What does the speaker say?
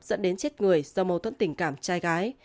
dẫn đến chết người do mâu thuẫn tình cảm trai gái